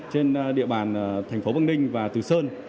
trên địa bàn thành phố bắc ninh và từ sơn